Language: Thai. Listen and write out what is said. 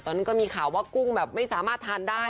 ตอนนี้ก็มีข่าวว่ากุ้งแบบไม่สามารถทานได้